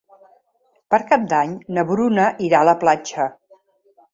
Per Cap d'Any na Bruna irà a la platja.